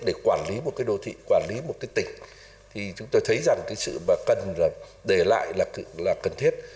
để quản lý một cái đô thị quản lý một cái tỉnh thì chúng tôi thấy rằng cái sự mà cần để lại là cần thiết